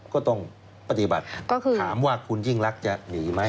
ก็ต้องปฏิบัติก็คือถามว่าคุณยิ่งรักจะหนีไหม